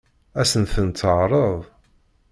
Ad sent-ten-teɛṛeḍ?